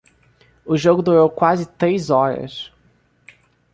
O jogo durou quase três horas